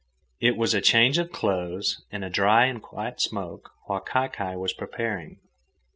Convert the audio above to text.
It was a change of clothes and a dry and quiet smoke while kai kai was preparing.